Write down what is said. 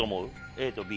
ＡとＢ。